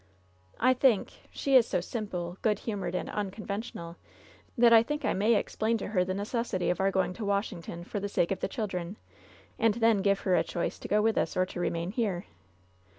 "I think — she is so simple, good humored and uncon ventional — ^that I think I may explain to her the neces sity of our going to Washington for the sake of the children, and then give her a choice to go with us or to remain here."